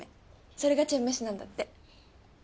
それがチェンメシなんだって。